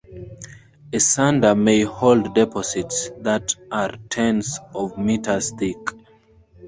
A sandar may hold deposits that are tens of meters thick.